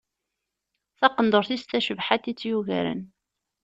Taqendur-is tacebḥant i tt-yugaren.